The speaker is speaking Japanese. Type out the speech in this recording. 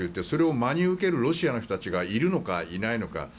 それを真に受けるロシアの人たちがいるのかいないのか。